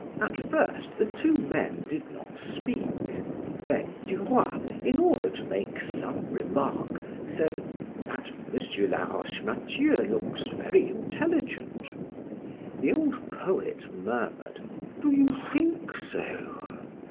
At first the two men did not speak. Then Duroy, in order to make some remark, said: "That M. Laroche Mathieu looks very intelligent." The old poet murmured: "Do you think so?"